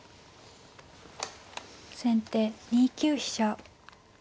先手２九飛車。